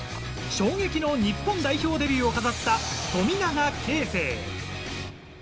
衝撃の日本代表デビューを飾った富永啓生。